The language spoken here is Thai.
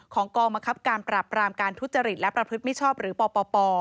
กองบังคับการปรับรามการทุจริตและประพฤติมิชอบหรือปป